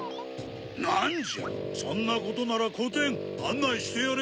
なんじゃそんなことならこてんあんないしてやれ。